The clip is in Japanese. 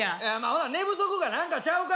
ほな寝不足か何かちゃうか？